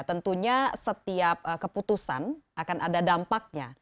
tentunya setiap keputusan akan ada dampaknya